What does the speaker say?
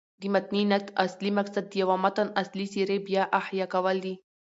د متني نقد اصلي مقصد د یوه متن اصلي څېرې بيا احیا کول دي.